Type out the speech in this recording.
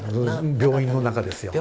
病院の中ですよ。